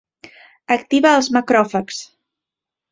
Activa els macròfags.